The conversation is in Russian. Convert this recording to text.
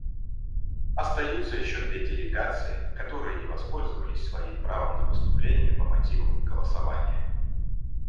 Остаются еще две делегации, которые не воспользовались своим правом на выступление по мотивам голосования.